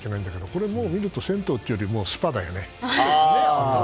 これを見ると銭湯というよりももうスパだよね。